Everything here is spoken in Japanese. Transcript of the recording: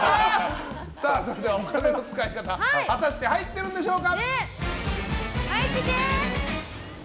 それではお金の使い方果たして入ってるんでしょうか。